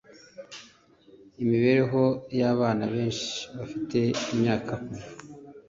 Imibereho yabana benshi bafite imyaka kuva